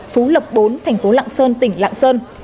phú lập bốn thành phố lạng sơn tỉnh lạng sơn